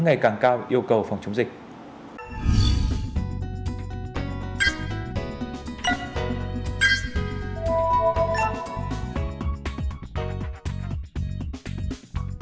ngày càng cao yêu cầu phòng chống dịch